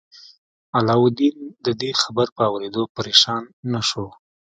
علاوالدین د دې خبر په اوریدو پریشان نه شو.